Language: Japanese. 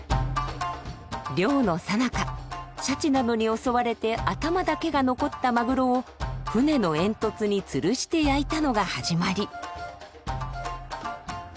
漁のさなかシャチなどに襲われて頭だけが残ったマグロを船の煙突につるして焼いたのが始まり。